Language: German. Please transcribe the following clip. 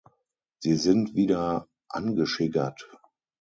Sie sind wieder "angeschiggert".